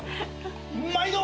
毎度！